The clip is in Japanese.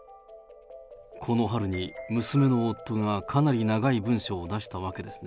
この春に娘の夫がかなり長い文書を出したわけですね。